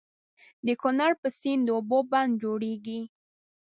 د کنړ په سيند د اوبو بند جوړيږي.